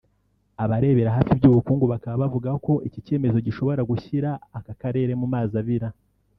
Abarebera hafi iby’ubukungu bakaba bavuga ko icyi cyemezo gishobora gushyira aka Karere mu mazi abira